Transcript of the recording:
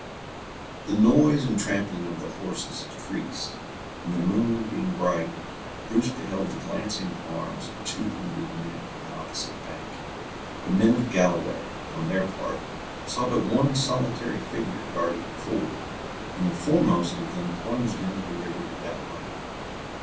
The noise and trampling of the horses increased, and the moon being bright, Bruce beheld the glancing arms of two hundred men, on the opposite bank. The men of Galloway, on their part, saw but one solitary figure guarding the ford, and the foremost of them plunged into the river without minding him.